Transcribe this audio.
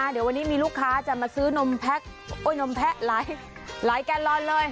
เดี๋ยววันนี้มีลูกค้าจะมาซื้อนมแพะนมแพะหลายแกนลอนเลย